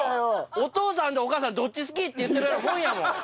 お父さんとお母さんどっち好き？って言ってるようなもんやもん。